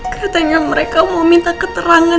katanya mereka mau minta keterangan